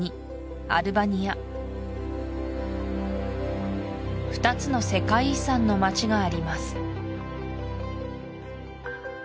アルバニア２つの世界遺産の町があります